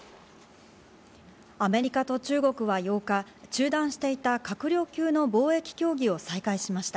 アメリカと中国は８日、中断していた閣僚級の貿易協議を再開しました。